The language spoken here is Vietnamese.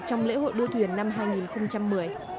trong lễ hội đua thuyền năm hai nghìn một mươi